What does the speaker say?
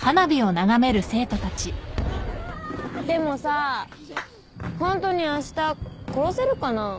でもさあホントに明日殺せるかな？